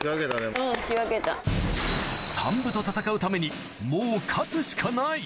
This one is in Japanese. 山武と戦うためにもう勝つしかない・